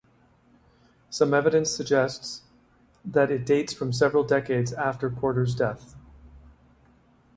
Some evidence suggests that it dates from several decades after Porter's death.